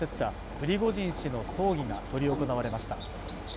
プリゴジン氏の葬儀が執り行われました